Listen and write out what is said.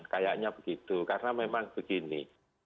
kayaknya begitu karena memang begini